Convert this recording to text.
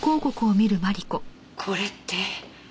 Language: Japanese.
これって。